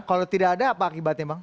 kalau tidak ada apa akibatnya bang